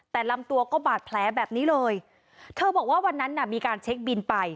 แต่ลำตัวก็บาดแผลแบบนี้เลยเธอบอกว่าวันนั้นน่ะมีการเช็คบินไป